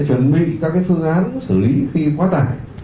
chuẩn bị các cái phương án xử lý khi quá tải